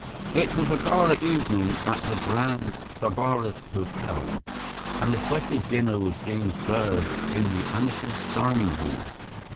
"It was a gala evening at the Grand Sybaris Hotel, and a special dinner was being served in the Amethyst dining hall.